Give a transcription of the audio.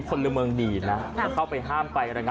ก็แค่มีเรื่องเดียวให้มันพอแค่นี้เถอะ